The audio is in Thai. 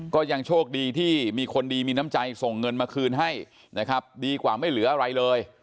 ก็ยังโชคดีที่มีคนดีมีน้ำใจส่งเงินมาคืนให้นะครับดีกว่าไม่เหลืออะไรเลย